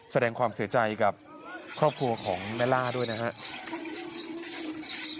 แสดงความเสียใจกับครอบครัวของแม่ล่าด้วยนะครับ